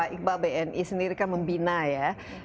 ini pak iqbal bni sendiri kan membina ya